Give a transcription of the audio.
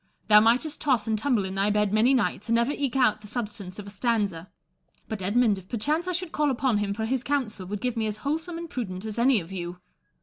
Thou mightest toss and tumble in thy bed many nights, and never eke out the substance of a stanza ; but Edmund, if perchance I should call upon him for his counsel, would give me as wholesome and prudent as any of you.